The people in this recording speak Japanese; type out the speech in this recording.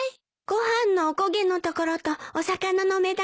ご飯のお焦げのところとお魚の目玉。